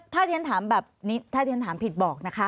ถ้าเรียนถามแบบนี้ถ้าที่ฉันถามผิดบอกนะคะ